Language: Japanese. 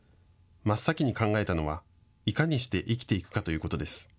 真っ先に考えたのはいかにして生きていくかということです。